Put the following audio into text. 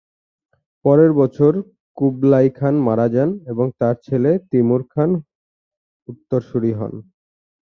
পরের বছর কুবলাই খান মারা যান এবং তার ছেলে তিমুর খান তার উত্তরসূরি হন।